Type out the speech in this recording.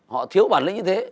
họ thiếu bản lĩnh như thế